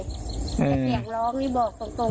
ก็แสงร้องนี่บอกตรง